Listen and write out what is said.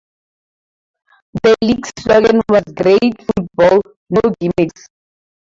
The league's slogan was "Great Football, No Gimmicks".